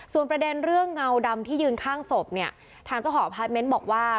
ส่วนประเด็นเรื่องเงาดำที่ยืนข้างศพเนี่ยทางเจ้าของอพาร์ทเมนต์บอกว่า